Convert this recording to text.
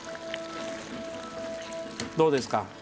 どうですか。